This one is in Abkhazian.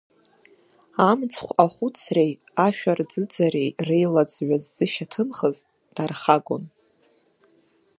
Амцхә ахәыцреи ашәарӡыӡареи реилаӡҩа ззышьҭымхыз дархагон.